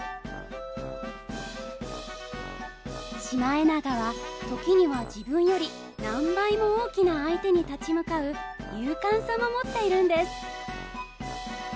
シマエナガは時には自分より何倍も大きな相手に立ち向かう勇敢さも持っているんです。